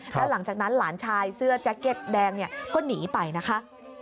แล้วหลังจากนั้นหลานชายเสื้อแจ็คเก็ตแดงเนี่ยก็หนีไปนะคะ